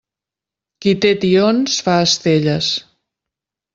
Qui té tions, fa estelles.